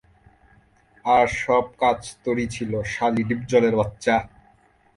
আর সব কাজ তোর-ই ছিল, শালী ডিপজলের বাচ্চা!